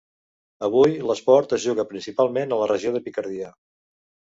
Avui, l'esport es juga principalment a la regió de Picardia.